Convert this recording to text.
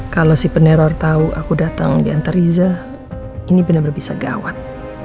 kalau si peneror tahu aku datang di antar riza ini benar benar bisa gawat